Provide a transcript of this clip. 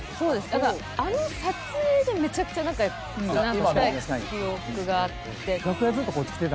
だからあの撮影でめちゃくちゃ仲良くなった記憶があって」